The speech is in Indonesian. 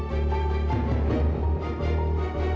mereka ditemukan di bumi